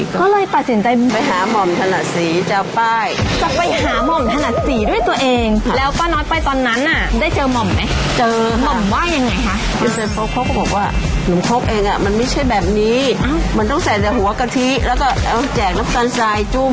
ก็เลยปรัแตนไปหาหม่อมถนศรีจ้าป้าย